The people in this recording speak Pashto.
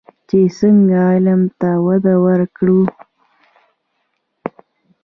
چې څنګه علم ته وده ورکړو.